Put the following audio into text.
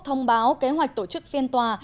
thông báo kế hoạch tổ chức phiên tòa